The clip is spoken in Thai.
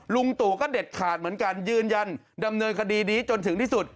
ลุงตู่ก็เด็ดขาดเหมือนกันยืนยันดำเนินคดีนี้จนถึงที่สุด